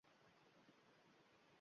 Darsga kelmay qoldi